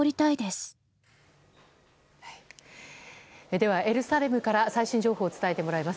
では、エルサレムから最新情報を伝えてもらいます。